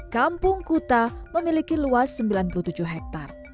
kampung kuta memiliki luas sembilan puluh tujuh hektare